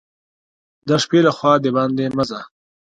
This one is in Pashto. د شپې له خوا دباندي مه ځه !